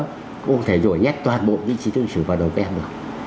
cũng không thể rủi nhét toàn bộ những chi thức lịch sử vào đầu tiên được